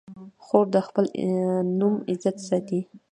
خور د خپل نوم عزت ساتي.